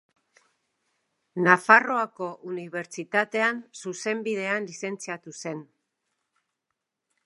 Nafarroako Unibertsitatean Zuzenbidean lizentziatu zen.